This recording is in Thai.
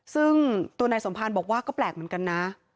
ซึ่งตัวนายสมภารบอกว่าก็แปลกเหมือนกันนะ